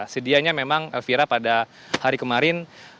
sedianya memang elvira pada hari kemarin